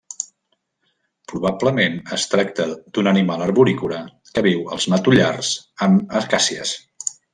Probablement es tracta d'un animal arborícola que viu als matollars amb acàcies.